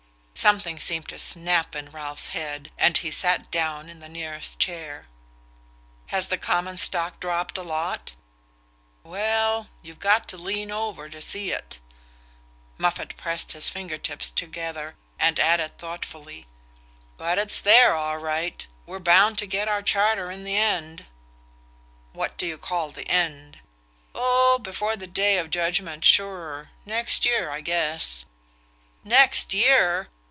Something seemed to snap in Ralph's head, and he sat down in the nearest chair. "Has the common stock dropped a lot?" "Well, you've got to lean over to see it." Moffatt pressed his finger tips together and added thoughtfully: "But it's THERE all right. We're bound to get our charter in the end." "What do you call the end?" "Oh, before the Day of Judgment, sure: next year, I guess." "Next year?"